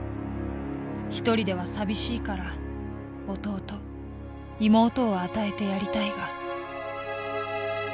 一人では寂しいから弟妹を与えてやりたいが」。